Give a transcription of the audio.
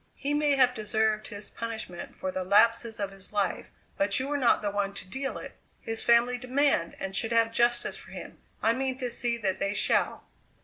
"He may have deserved his punishment for the lapses of his life but you were not the one to deal it. His family demand and should have justice for him I mean to see that they shall.